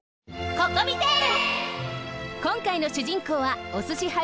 ココミテール！